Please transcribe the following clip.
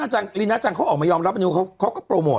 แต่คุณลิน่าจังเขาออกมายอมรับนิวเขาก็โปรโมท